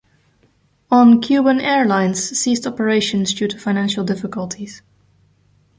On Kuban Airlines ceased operations due to financial difficulties.